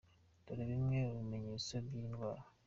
Dore bimwe mu bimenyetso by’iyi ndwara.